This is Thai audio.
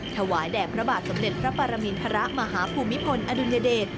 ถวายแด่พระบาทสมเด็จพระปรมินทรมาฮภูมิพลอดุลยเดช